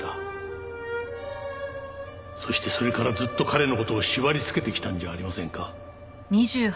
そしてそれからずっと彼の事を縛りつけてきたんじゃありませんか？